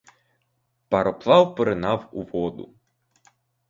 Пароплав поринав у воду.